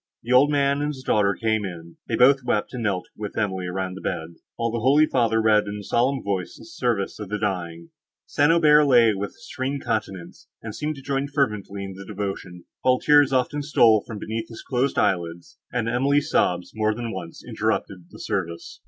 The old man and his daughter came; they both wept, and knelt with Emily round the bed, while the holy father read in a solemn voice the service for the dying. St. Aubert lay with a serene countenance, and seemed to join fervently in the devotion, while tears often stole from beneath his closed eyelids, and Emily's sobs more than once interrupted the service.